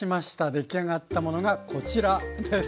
出来上がったものがこちらです。